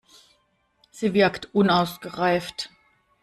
Sie wirkt unausgereift.